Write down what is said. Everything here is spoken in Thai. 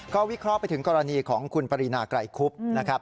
ก็วิเคราะห์ไปถึงกรณีของคุณปรินาไกรคุบนะครับ